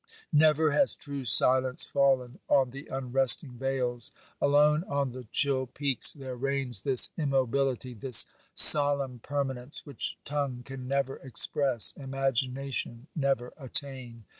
Never has true silence fallen on the unresting vales ; alone on the chill peaks there reigns this immobility, this solemn permanence which tongue can never express, imagination never attain.